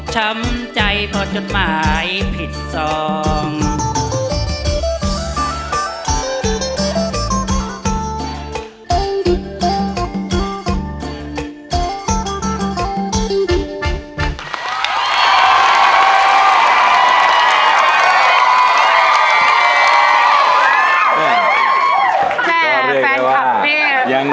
ช้ำใจพอจดหมายผิดสอง